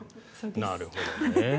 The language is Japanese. なるほどね。